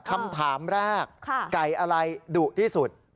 คำถามแรกไก่อะไรดุที่สุด